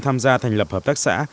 tham gia thành lập hợp tác xã